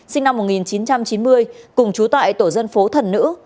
sinh năm một nghìn chín trăm chín mươi cùng trú tại tổ dân phố thần nữ